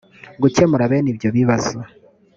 gukemura bene ibyo bibazo